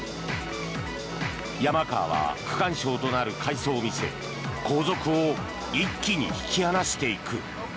山川は区間賞となる快走を見せ後続を一気に引き離していく。